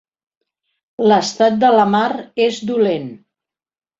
L'estat de la mar és dolent.